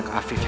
aku gak peduli